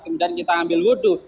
kemudian kita ambil wudhu